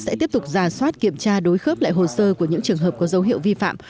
sẽ tiếp tục giả soát kiểm tra đối khớp lại hồ sơ của những trường hợp có dấu hiệu vi phạm